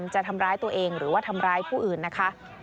จะทำร้ายตัวเองหรือว่าทำร้ายผู้อื่นนะคะ